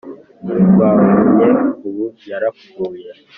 rwa mvunye ubu yarapfuye